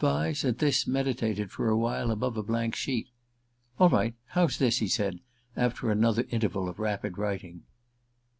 Vyse, at this, meditated for a while above a blank sheet. "All right how's this?" he said, after another interval of rapid writing.